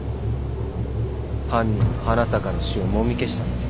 犯人は花坂の死をもみ消したんだ。